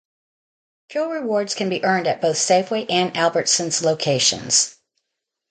Fuel rewards can be earned at both Safeway and Albertsons locations.